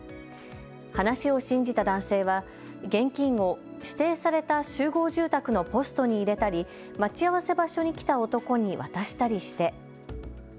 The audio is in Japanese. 話を信じた男性は現金を指定された集合住宅のポストに入れたり待ち合わせ場所に来た男に渡したりして。